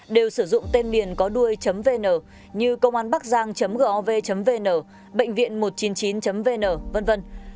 đều sử dụng tên miền có đuôi vn như cônganbacgiang gov vn bệnhviện một trăm chín mươi chín vn v v